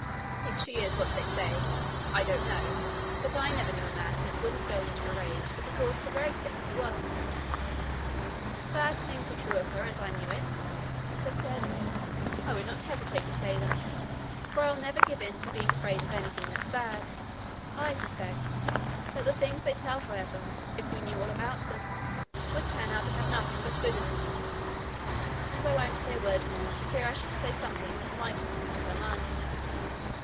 'If she is What they say I don't know but I never knew a man that wouldn't go in a rage to be called the very thing he was.' 'If bad things were true of her, and I knew it,' said Curdie, 'I would not hesitate to say them, for I will never give in to being afraid of anything that's bad. I suspect that the things they tell, however, if we knew all about them, would turn out to have nothing but good in them; and I won't say a word more for fear I should say something that mightn't be to her mind.'